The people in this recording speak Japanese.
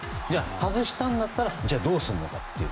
外したんだったらどうするのかという。